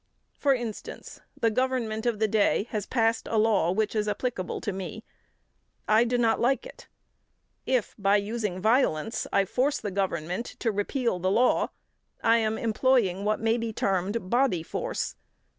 For instance, the government of the day has passed a law which is applicable to me: I do not like it, if, by using violence, I force the government to repeal the law, I am employing what may be termed body force.